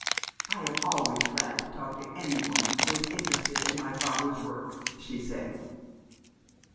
" I am always glad to talk to any one who is interested in my father's work," she said.